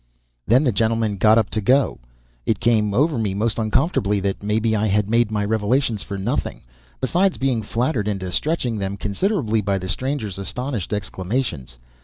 Then the gentleman got up to go. It came over me most uncomfortably that maybe I had made my revelations for nothing, besides being flattered into stretching them considerably by the stranger's astonished exclamations.